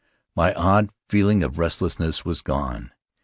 My old feeling of restlessness was gone.